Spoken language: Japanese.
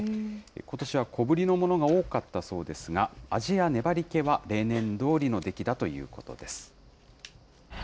ことしは小ぶりのものが多かったそうですが、味や粘りけは例年どおりの出来だということです。